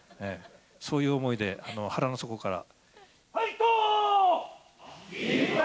そういう思いで、腹の底から。